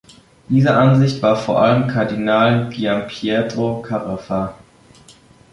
Dieser Ansicht war vor allem Kardinal Giampietro Carafa.